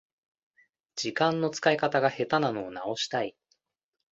時間の使い方が下手なのを直したい